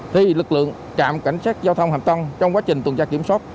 thì lực lượng trạm cảnh sát giao thông hàm tân trong quá trình tuần tra kiểm soát